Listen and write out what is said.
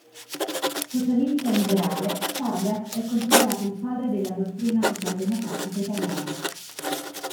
Socialista liberale, Saragat è considerato il padre della dottrina socialdemocratica italiana.